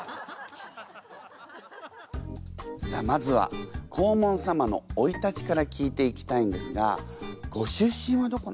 さあまずは黄門様のおいたちから聞いていきたいんですがご出身はどこなんですか？